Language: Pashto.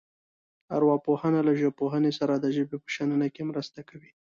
ارواپوهنه له ژبپوهنې سره د ژبې په شننه کې مرسته کوي